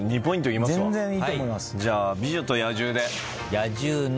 じゃあ『美女と野獣』で。